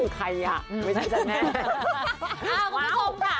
ใครอ่ะไม่ใช่ฉันแม่